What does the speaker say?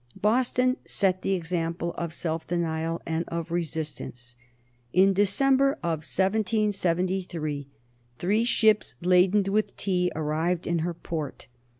Boston set the example of self denial and of resistance. In the December of 1773 three ships laden with tea arrived in her port.